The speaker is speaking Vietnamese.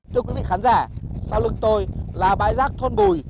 thưa quý vị khán giả sau lưng tôi là bãi rác thôn bùi